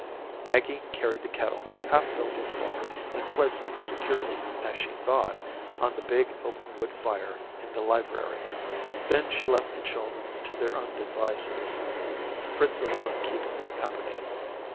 Maggie carried the kettle, half filled with water, and placed it securely, as she thought, on the big open wood fire in the library. Then she left the children to their own devices, Fritz alone keeping them company.